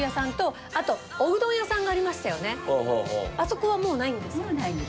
あそこはもうないんですか？